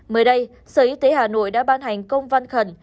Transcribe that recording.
mới đây sở y tế hà nội đã ban hành công văn khẩn